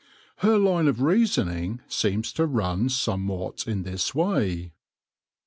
Her line of reasoning seems to run somewhat in this way.